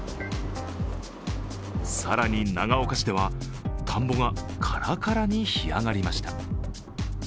更に、長岡市では田んぼがカラカラに干上がりました。